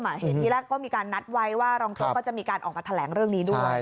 เห็นที่แรกก็มีการนัดไว้ว่ารองโจ๊กก็จะมีการออกมาแถลงเรื่องนี้ด้วย